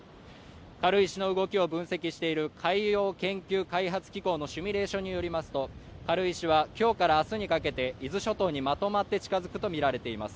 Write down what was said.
軽石の動きを分析している海洋研究開発機構のシミュレーションによりますと軽石はきょうからあすにかけて伊豆諸島にまとまって近づくと見られています